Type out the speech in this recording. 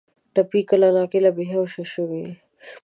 ټپي کله ناکله بې هوشه وي.